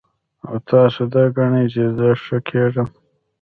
او تاسو دا ګڼئ چې زۀ ښۀ کېږم